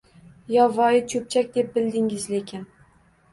Yovvoyi cho’pchak deb bildingiz lekin